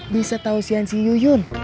bisa tahu sian si uyun